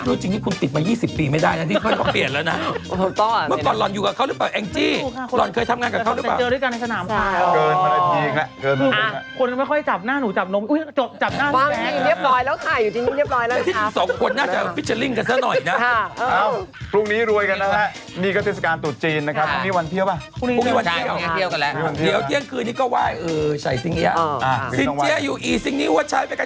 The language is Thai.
รู้จริงนี่คุณติดมา๒๐ปีไม่ได้อันนี้ค่อยต้องเปลี่ยนแล้วนะ